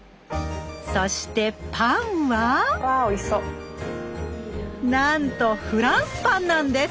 そしてパンはなんとフランスパンなんです